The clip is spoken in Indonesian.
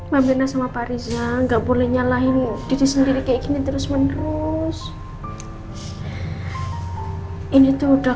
meu belum maupun kami tokoh sama mirna itu masih lama